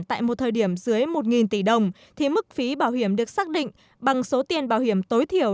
tại một thời điểm dưới một tỷ đồng thì mức phí bảo hiểm được xác định bằng số tiền bảo hiểm tối thiểu